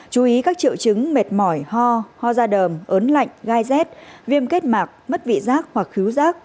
chú ý các triệu chứng mệt mỏi ho ho da đờm ớn lạnh gai rét viêm kết mạc mất vị giác hoặc cứu rác